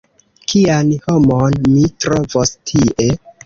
Kian homon mi trovos tie?